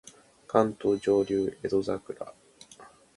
関東上流江戸桜